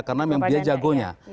karena dia jagonya